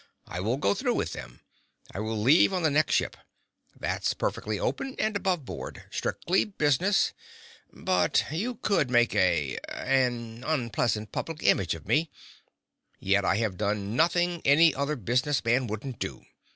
I will go through with them. I will leave on the next ship. That's perfectly open and above board. Strictly business. But you could make a—an unpleasing public image of me. Yet I have done nothing any other business man wouldn't do!